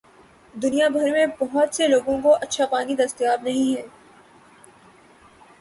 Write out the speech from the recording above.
دنیا بھر میں بہت سے لوگوں کو اچھا پانی دستیاب نہیں ہے۔